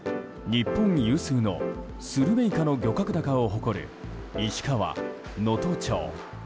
日本有数のスルメイカの漁獲高を誇る石川・能登町。